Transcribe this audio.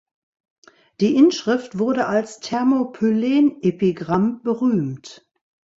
Die Inschrift wurde als Thermopylen-Epigramm berühmt.